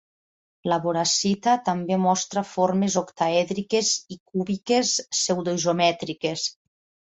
La boracita també mostra formes octaèdriques i cúbiques pseudo-isomètriques.